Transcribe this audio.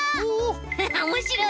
ハハおもしろい！